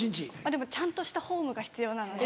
でもちゃんとしたフォームが必要なので。